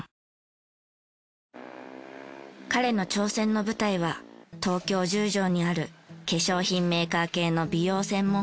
彼の挑戦の舞台は東京十条にある化粧品メーカー系の美容専門学校です。